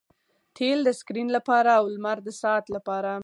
تیل د سکرین لپاره او لمر د ساعت لپاره